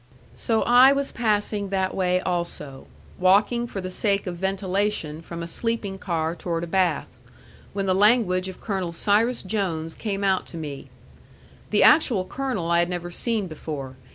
So I was passing that way also, walking for the sake of ventilation from a sleeping car toward a bath, when the language of Colonel Cyrus Jones came out to me. The actual colonel I had never seen before.